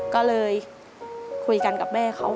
ก็เลยคุยกันกับแม่เขา